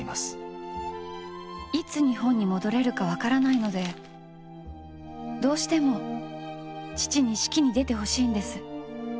いつ日本に戻れるか分からないのでどうしても父に式に出て欲しいんです。